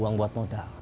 uang buat modal